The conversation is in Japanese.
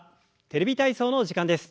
「テレビ体操」の時間です。